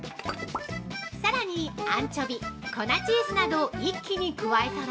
◆さらにアンチョビ、粉チーズなどを一気に加えたら